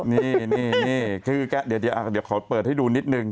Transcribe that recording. นี่นี่นี่คือแกเดี๋ยวอ่ะเดี๋ยวขอเปิดให้ดูนิดนึง